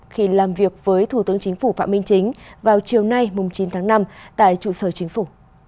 khi làm việc với thủ tướng chính phủ phạm minh chính vào chiều nay chín tháng năm tại trụ sở chính phủ